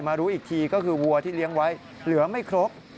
รู้อีกทีก็คือวัวที่เลี้ยงไว้เหลือไม่ครบ